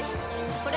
これ！